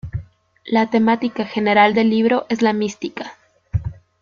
La temática general del libro es la mística.